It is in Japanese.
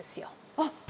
あっ。